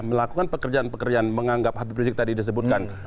melakukan pekerjaan pekerjaan menganggap habib rizik tadi disebutkan